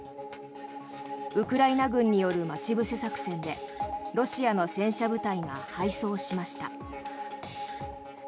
ウクライナ軍による待ち伏せ作戦でロシアの戦車部隊が敗走しました。